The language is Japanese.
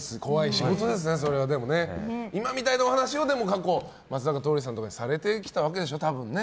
今みたいなお話をでも過去、松坂桃李さんとかにされてきたわけでしょ、多分ね。